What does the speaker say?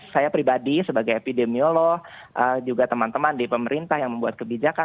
saya pribadi sebagai epidemiolog juga teman teman di pemerintah yang membuat kebijakan